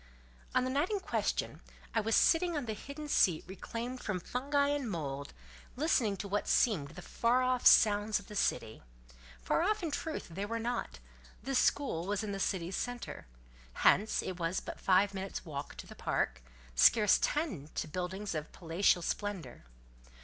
On the night in question, I was sitting on the hidden seat reclaimed from fungi and mould, listening to what seemed the far off sounds of the city. Far off, in truth, they were not: this school was in the city's centre; hence, it was but five minutes' walk to the park, scarce ten to buildings of palatial splendour.